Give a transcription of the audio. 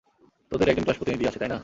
তোদের একজন ক্লাস প্রতিনিধি আছে, তাই না?